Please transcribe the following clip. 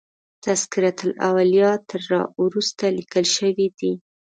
تذکرة الاولیاء تر را وروسته لیکل شوی دی.